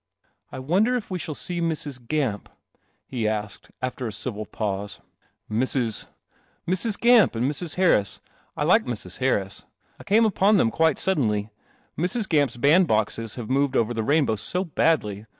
" I wonder if we shall see Mrs. Gamp?' he asked, after a civil pause. "Mrs. ?"" Mrs. Gamp and Mrs. Harris. I like Mrs. Harris. I came upon them quite sud denly. Mrs. Gamp's bandboxes have moved over the rainbow so badly.